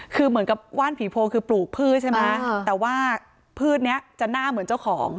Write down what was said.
คือเหมือนกับว่านผีโพงคือปลูกพืชใช่ไหมแต่ว่าพืชนี้จะหน้าเหมือนเจ้าของ